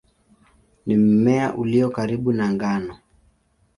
Ni mmea ulio karibu na ngano.